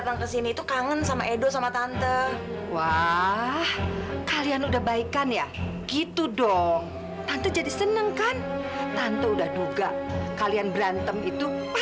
sampai jumpa di video selanjutnya